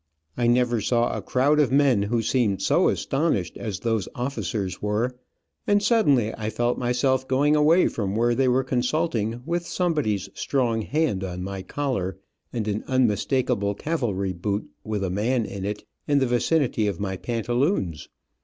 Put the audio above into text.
I never saw a crowd of men who seemed so astonished as those officers were, and suddenly I felt myself going away from where they were consulting, with somebody's strong hand on my collar, and an unmistakable cavalry boot, with a man in it, in the vicinity of my pantaloons.